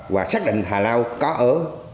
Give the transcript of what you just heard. và xác định hà lao có ở